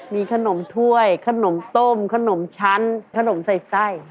มีขนมถ้วยขนมต้มขนมชั้นขนมใส่ไส้